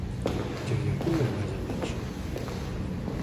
Και γιατί με βγάλαν έξω;